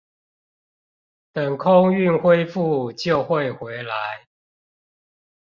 等空運恢復就會回來